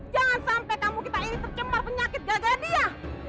jangan sampai kamu kita ini tercemar penyakit gagah dia